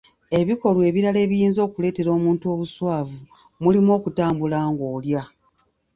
Ebikolwa ebirala ebiyinza okuleetera omuntu obuswavu mulimu okutambula ng'olya.